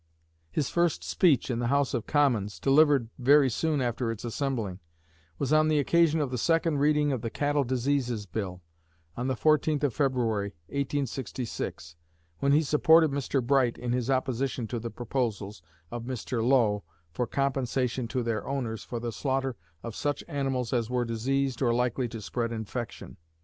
His first speech in the House of Commons, delivered very soon after its assembling, was on the occasion of the second reading of the Cattle Diseases Bill, on the 14th of February, 1866, when he supported Mr. Bright in his opposition to the proposals of Mr. Lowe for compensation to their owners for the slaughter of such animals as were diseased or likely to spread infection.